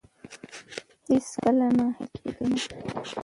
هېڅکله ناهيلي کېږئ مه.